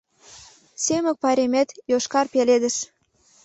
Семык пайремет — Йошкар пеледыш.